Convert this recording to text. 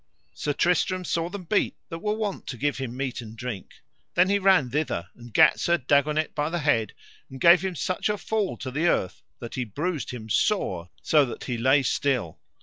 Sir Tristram saw them beat that were wont to give him meat and drink, then he ran thither and gat Sir Dagonet by the head, and gave him such a fall to the earth that he bruised him sore so that he lay still.